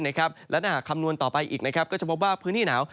และถ้าหากคำนวณต่อไปอีกก็จะพบว่าพื้นที่หนาว